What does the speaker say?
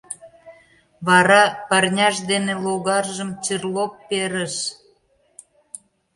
Вара... — парняж дене логаржым чырлоп перыш.